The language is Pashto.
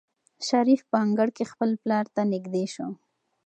شریف په انګړ کې خپل پلار ته نږدې شو.